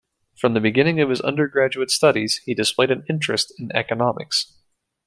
From the beginning of his undergraduate studies, he displayed an interest in economics.